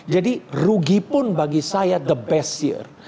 jadi rugi pun bagi saya the best year